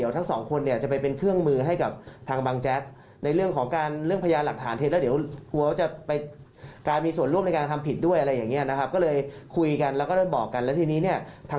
ถ้าเกิดว่าบางแจ็คเคยมีประวัติอย่างนี้มา